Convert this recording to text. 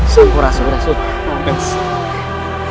syukur asyukur asyukur